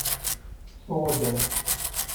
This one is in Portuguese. Soa bem